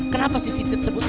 kenapa cctv tersebut